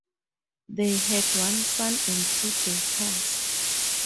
They had one son and two daughters.